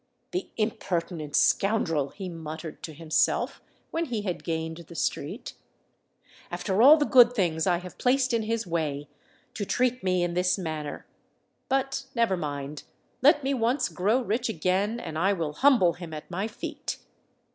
"The impertinent scoundrel!" he muttered to himself, when he had gained the street. "After all the good things I have placed in his way, to treat me in this manner. But, never mind—let me once grow rich again and I will humble him at my feet!"